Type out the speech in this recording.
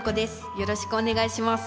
よろしくお願いします。